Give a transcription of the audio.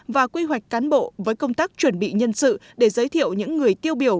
và quy hoạch cán bộ với công tác chuẩn bị nhân sự để giới thiệu những người tiêu biểu